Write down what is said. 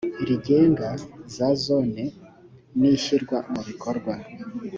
rigenga za zone n ishyirwa mu bikorwa